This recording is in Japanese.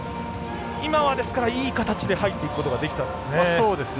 今は、いい形で入っていくことができたんですね。